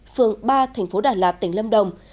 phường ba thành phố đà lạt tỉnh lâm đồng